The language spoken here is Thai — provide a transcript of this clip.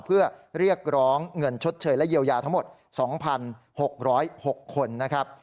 เพื่อเรียกร้องเงินชดเชยและเยียวยาทั้งหมด๒๖๐๖คนนะครับ